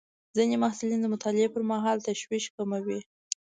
ځینې محصلین د مطالعې پر مهال تشویش کموي.